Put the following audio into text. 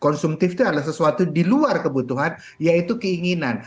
konsumtif itu adalah sesuatu di luar kebutuhan yaitu keinginan